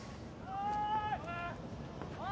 ・おい！